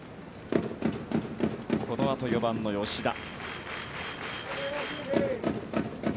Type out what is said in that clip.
このあと４番の吉田。